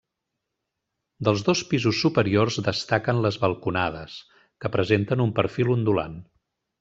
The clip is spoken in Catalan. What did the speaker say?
Dels dos pisos superiors destaquen les balconades, que presenten un perfil ondulant.